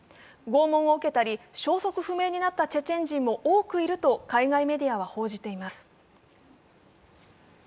拷問を受けたり消息不明になったチェチェン人も多くいると海外メディアは報じています。